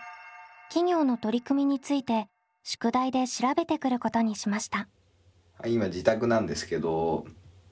企業の取り組みについて宿題で調べてくることにしました。